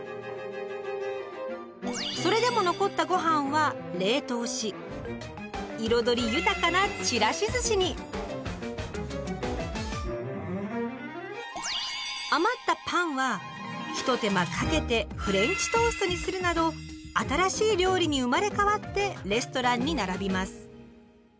それでも残ったごはんは冷凍し彩り豊かなひと手間かけてフレンチトーストにするなど新しい料理に生まれ変わってレストランに並びます。